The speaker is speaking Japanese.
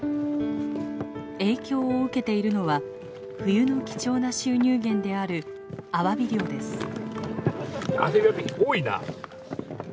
影響を受けているのは冬の貴重な収入減であるアワビ漁です。